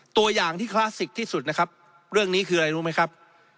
ตัวอย่างที่คลาสสิกที่สุดนะครับเรื่องนี้คืออะไรรู้ไหมครับ